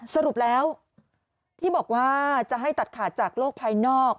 สรุปแล้วที่บอกว่าจะให้ตัดขาดจากโลกภายนอก